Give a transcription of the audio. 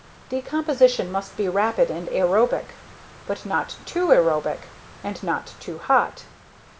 Decomposition must be rapid and aerobic, but not too aerobic. And not too hot.